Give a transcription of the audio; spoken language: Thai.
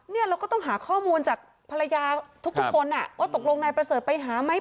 เราก็ต้องหาข้อมูลจากภรรยาทุกคนอ่ะว่าตกลงนายประเสริฐไปหาไหม